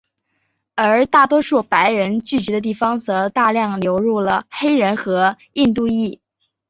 而大多数白人聚居的地方则大量流入了黑人和印度裔。